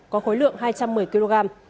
có khối lượng hai triệu đồng